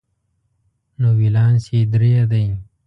نو ولانس یې درې دی.